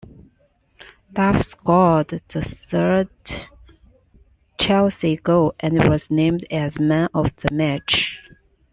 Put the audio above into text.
Duff scored the third Chelsea goal and was named as Man of the match.